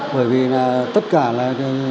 bởi vì là tất cả là